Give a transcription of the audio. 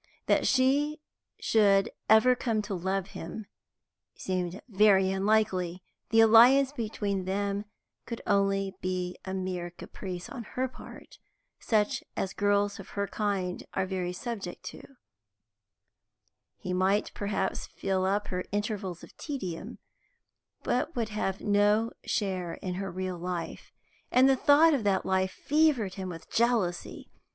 That she should ever come to love him, seemed very unlikely; the alliance between them could only be a mere caprice on her part, such as girls of her kind are very subject to; he might perhaps fill up her intervals of tedium, but would have no share in her real life. And the thought of that life fevered him with jealousy.